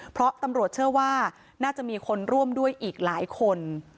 เพราะตำรวจเชื่อว่าน่าจะมีคนร่วมด้วยอีกหลายคน